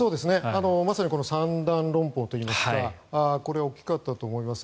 まさにこの三段論法といいますかこれ、大きかったと思います。